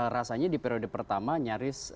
rasanya di periode pertama nyaris